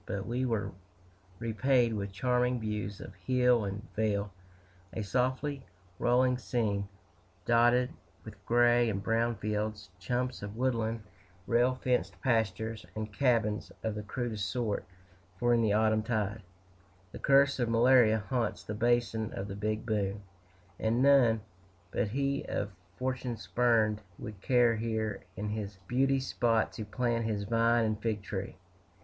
But we were repaid with charming views of hill and vale, a softly rolling scene dotted with little gray and brown fields, clumps of woodland, rail fenced pastures, and cabins of the crudest sort for in the autumn tide, the curse of malaria haunts the basin of the Big Bone, and none but he of fortune spurned would care here in this beauty spot to plant his vine and fig tree.